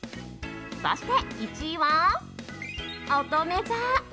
そして１位は、おとめ座。